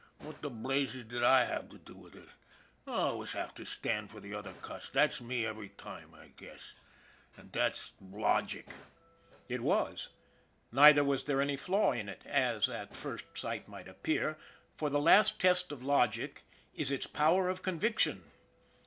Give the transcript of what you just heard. What the blazes did / have to do with it? I always have to stand for the other cuss. That's me every time, I guess. An' that's logic." It was. Neither was there any flaw in it as at first sight might appear, for the last test of logic is its power of conviction.